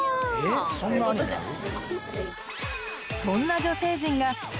そういうことじゃない？